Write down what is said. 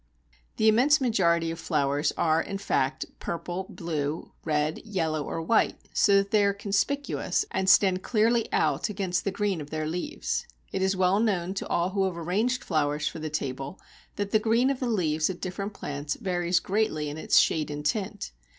The immense majority of flowers are, in fact, purple, blue, red, yellow, or white, so that they are conspicuous, and stand clearly out against the green of their leaves. It is well known to all who have arranged flowers for the table that the green of the leaves of different plants varies greatly in its shade and tint.